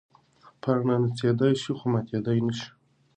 پاڼه نڅېدی شي خو ماتېدی نه شي.